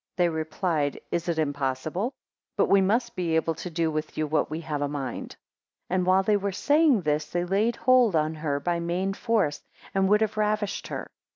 They replied, Is it impossible? but we must be able to do with you what we have a mind, 8 And while they were saying this, they laid hold on her by main force, and would have ravished her.